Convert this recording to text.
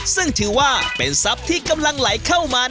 ซึ่งถือว่าเป็นทรัพย์ที่กำลังไหลเข้ามา